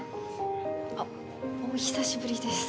あっお久しぶりです。